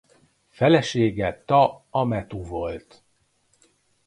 Felesége Ta-amethu volt.